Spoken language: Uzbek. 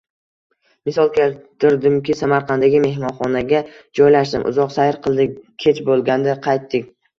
Misol keltirdimki, Samarqanddagi mehmonxonaga joylashdim, uzoq sayr qildik, kech boʻlganda qaytdik